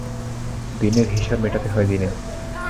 দিনের হিসাব মেটাতে হয় দিনে।